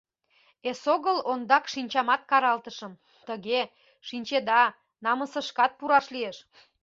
Эсогыл ондак шинчамат каралтышым, тыге, шинчеда, намысышкат пураш лиеш.